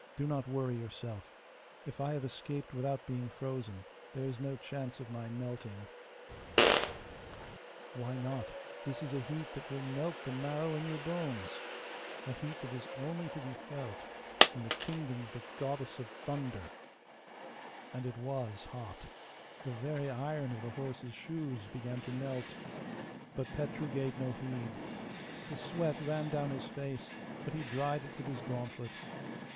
'Do not worry yourself. If I have escaped without being frozen, there is no chance of my melting.' 'Why not? This is a heat that will melt the marrow in your bones a heat that is only to be felt in the kingdom of the Goddess of Thunder.'(3) (3) In the German 'Donnerstag' the day of the Thunder God, i.e. Jupiter. And it WAS hot. The very iron of the horse's shoes began to melt, but Petru gave no heed. The sweat ran down his face, but he dried it with his gauntlet.